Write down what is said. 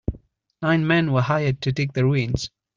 Nine men were hired to dig the ruins.